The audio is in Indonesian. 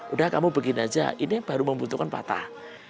udah kamu begini aja ini baru membutuhkan patah